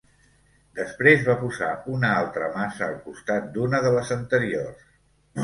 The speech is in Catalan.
Després va posar una altra massa al costat d'una de les anteriors.